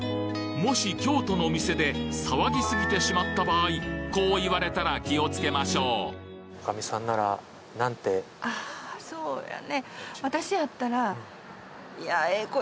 もし京都のお店で騒ぎすぎてしまった場合こう言われたら気をつけましょうあそうやね。